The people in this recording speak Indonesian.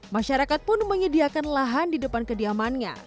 masyarakat pun menyediakan lahan di depan kediamannya